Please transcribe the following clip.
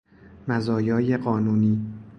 مزایای قانونی